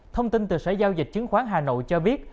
thông tin từ sở giao dịch chứng khoán hà nội cho biết